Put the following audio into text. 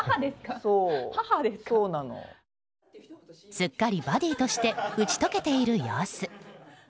すっかりバディーとして打ち解けている様子。